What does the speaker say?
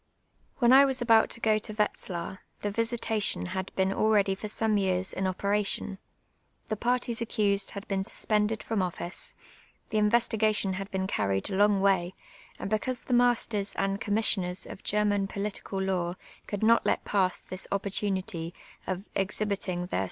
\\'li('U I was about to ^o to Wetzhir, the "visitation" had )(en already for some yeai*s in operation, the parties accused lad been 8us})ended from office, the investi«:^tion had been juried a lon^ way ; and becau.se the masters and commis sioners of German j)olitieal law could not let pass this o])])or unitv of exhibiting their